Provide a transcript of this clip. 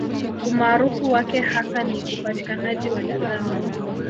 Umaarufu wake hasa ni upatikanaji wa dagaa